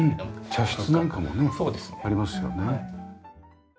茶室なんかもねありますよね。